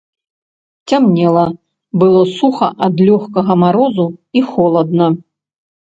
Цямнела, было суха ад лёгкага марозу і холадна.